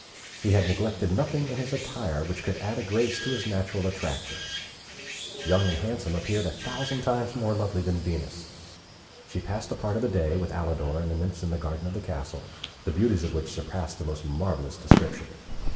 He had neglected nothing in his attire which could add a grace to his natural attractions. Young and Handsome appeared a thousand times more lovely than Venus. She passed a part of the day with Alidor and the nymphs in the garden of the castle, the beauties of which surpassed the most marvellous description.